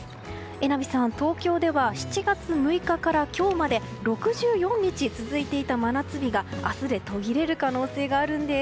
榎並さん、東京では７月６日から今日まで６４日続いていた真夏日が明日で途切れる可能性があるんです。